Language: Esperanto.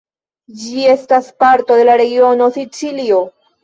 Ĝi estas parto de la regiono Sicilio.